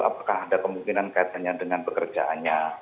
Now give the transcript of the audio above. apakah ada kemungkinan kaitannya dengan pekerjaannya